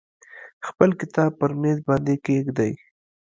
خپل کتاب پر میز باندې کیږدئ.